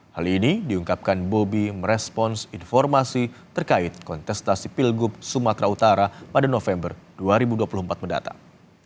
hal ini diungkapkan bobi merespons informasi terkait kontestasi pilgub sumatera utara pada november dua ribu dua puluh empat mendatang